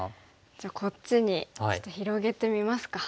じゃあこっちにちょっと広げてみますか。